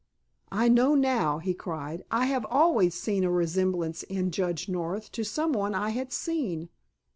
"I know now," he cried; "I have always seen a resemblance in Judge North to some one I had seen.